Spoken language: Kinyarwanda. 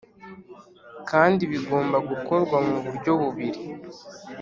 kandi bigomba gukorwa mu buryo bubiri: